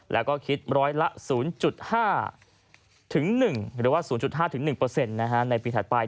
แล้วก็คิดร้อยละ๐๕๑หรือว่า๐๕๑ในปีถัดไป